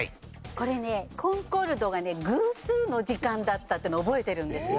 これねコンコルドはね偶数の時間だったっていうのを覚えてるんですよ。